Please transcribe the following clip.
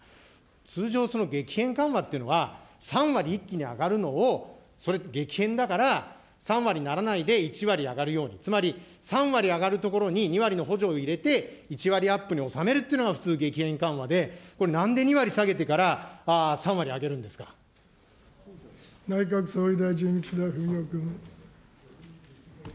通常、その激変緩和っていうのは、３割一気に上がるのを、それ激変だから３割にならないで１割上がるように、つまり３割上がるところに２割の補助を入れて１割アップに収めるっていうのが普通、激変緩和で、これ、なんで２割下げてから３割内閣総理大臣、岸田文雄君。